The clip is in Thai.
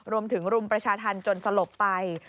รวมถึงรุมประชาธรรมจนสลบไป